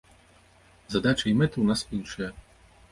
Задачы і мэты ў нас іншыя.